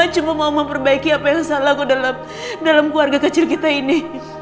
cuma mau memperbaiki apa yang salahku dalam dalam keluarga kecil kita ini